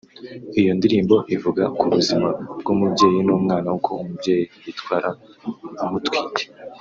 Iyo ndirimbo ivuga ku buzima bw’umubyeyi n’umwana uko umubyeyi yitwara amutwite